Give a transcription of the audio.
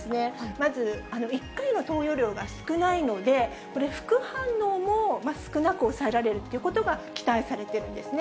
まず１回の投与量が少ないので、副反応も少なく抑えられるということが期待されているんですね。